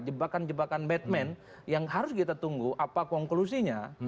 jebakan jebakan batman yang harus kita tunggu apa konklusinya